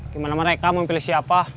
gimana mereka mau pilih siapa